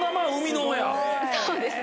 そうですね。